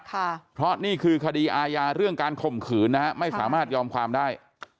เพราะนี่คือคดีอาญาเรื่องการข่มขืนนะฮะไม่สามารถยอมความได้